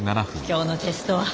今日のテストは。